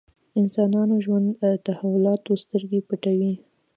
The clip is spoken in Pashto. انسانانو ژوند تحولاتو سترګې پټوي.